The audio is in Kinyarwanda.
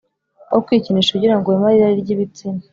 aho kwikinisha ugira ngo wimare irari ry ibitsina